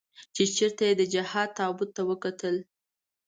چې بېرته یې د جهاد تابوت ته وکتل.